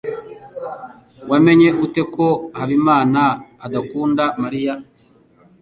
Wamenye ute ko Habimana adakunda Mariya?